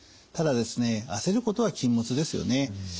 ただですね焦ることは禁物ですよね。